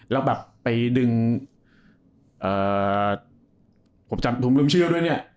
แล้วแบบไปดึงผมจำผมลืมเชื่อด้วยเนี่ย